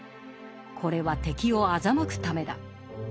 これは敵を欺くためだ。